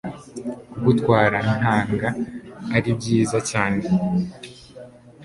Kugutwara ntaga ari byiza cyane